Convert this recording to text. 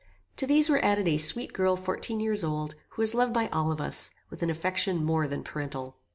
To these were added a sweet girl fourteen years old, who was loved by all of us, with an affection more than parental.